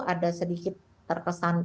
ada sedikit terkesan